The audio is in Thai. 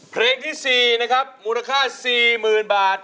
เพลงที่๔นะครับมูลค่า๔๐๐๐บาท